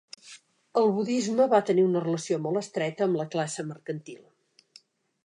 El budisme va tenir una relació molt estreta amb la classe mercantil.